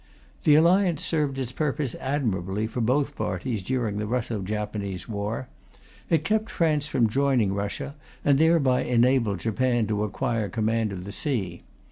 The Alliance served its purpose admirably for both parties during the Russo Japanese war. It kept France from joining Russia, and thereby enabled Japan to acquire command of the sea.